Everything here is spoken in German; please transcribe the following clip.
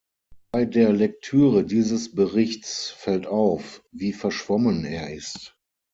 Bei der Lektüre dieses Berichts fällt auf, wie verschwommen er ist.